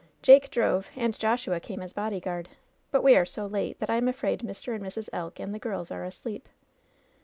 "Jake drove and Joshua came as bodyguard ; but we are so late that I am afraid Mr. and Mrs. Elk and the girls are asleep."